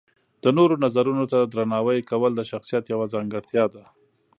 د نورو نظرونو ته درناوی کول د شخصیت یوه ځانګړتیا ده.